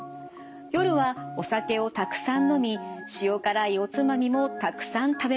夜はお酒をたくさん飲み塩辛いおつまみもたくさん食べます。